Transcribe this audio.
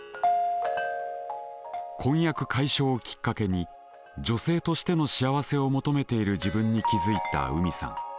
婚約解消をきっかけに女性としての幸せを求めている自分に気付いた海さん。